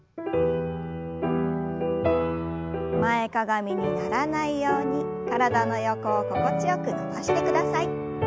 前かがみにならないように体の横を心地よく伸ばしてください。